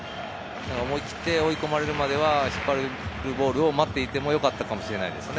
思い切って追い込まれるまではボールを待っていてもよかったかもしれないですね。